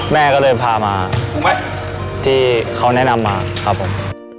แม่ก็เลยพามาที่เขาแนะนำมาครับผม